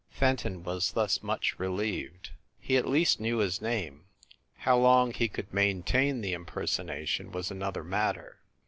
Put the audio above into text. Fenton was thus much relieved. He at least knew his name. How long he could maintain the impersonation was another matter.